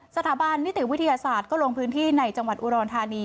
สถาบันนิติวิทยาศาสตร์ก็ลงพื้นที่ในจังหวัดอุดรธานี